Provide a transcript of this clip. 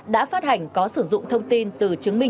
đã phát hành có sử dụng thông tin từ chứng minh